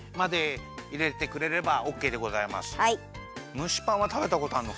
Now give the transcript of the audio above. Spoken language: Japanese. むしパンはたべたことあんの？